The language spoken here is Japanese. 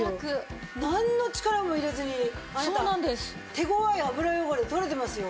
手ごわい油汚れ取れてますよ。